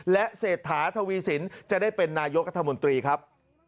และเศรษฐาทวีสินจะได้เป็นนายกรัฐมนตรีครับ